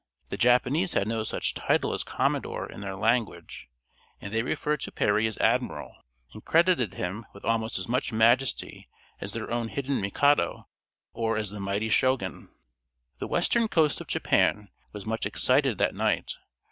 The Japanese had no such title as commodore in their language, and they referred to Perry as Admiral, and credited him with almost as much majesty as their own hidden Mikado, or as the mighty Shogun. The western coast of Japan was much excited that night.